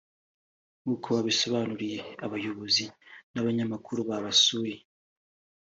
nk’uko babisobanuriye abayobozi n’abanyamakuru babasuye